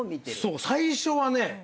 そう最初はね